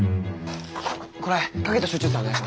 これ影と集中線お願いします。